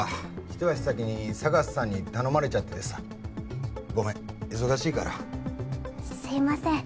一足先にＳＡＧＡＳさんに頼まれちゃっててさごめん忙しいからすいません